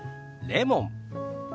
レモン。